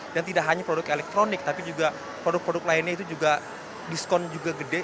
dan tidak hanya produk elektronik tapi juga produk produk lainnya itu juga diskon juga gede